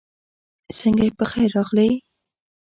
سنګه یی پخير راغلې